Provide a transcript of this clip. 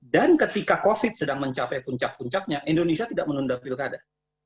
dan ketika covid sedang mencapai puncak puncaknya indonesia tidak menunda pilkada